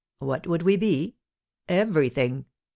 What would we be? Everything."